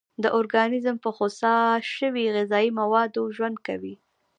دا ارګانیزمونه په خوسا شوي غذایي موادو ژوند کوي.